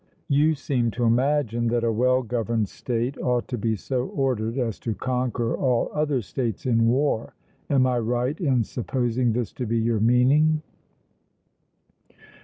You seem to imagine that a well governed state ought to be so ordered as to conquer all other states in war: am I right in supposing this to be your meaning?